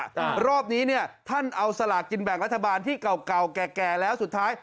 อ่ารอบนี้เนี่ยท่านเอาสลากกินแบ่งรัฐบาลที่เก่าเก่าแก่แก่แล้วสุดท้าย